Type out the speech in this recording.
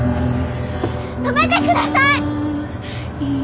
止めてください！